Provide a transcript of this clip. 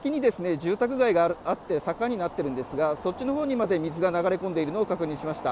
住宅街があって坂になっているんですがそっちのほうにまで水が流れ込んでいるのを確認しました。